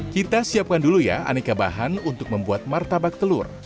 kita siapkan dulu ya aneka bahan untuk membuat martabak telur